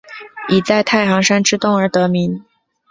以在太行山之东而得名。